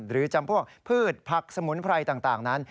หรือจำพวกพืชผักสมุนไพรต่างนั้น